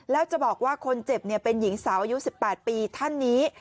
แล้วจะบอกว่าคนเจ็บเป็นหญิงสาวอายุ๑๘ปีท่านนี้